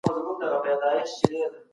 سخاوت د شتمنۍ برکت زیاتوي.